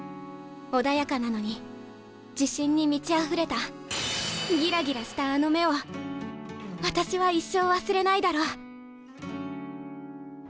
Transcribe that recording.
穏やかなのに自信に満ちあふれたギラギラしたあの目を私は一生忘れないだろう。